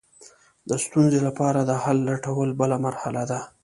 د ستونزې لپاره د حل لټول بله مرحله ده.